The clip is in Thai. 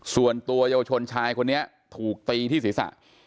ส่วนตัวเยาวชนชายคนนี้ถูกตีที่ศีรษะ